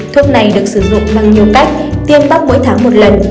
thuốc này được sử dụng bằng nhiều cách tiêm bóc mỗi tháng một lần